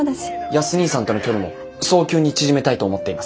康にぃさんとの距離も早急に縮めたいと思っています。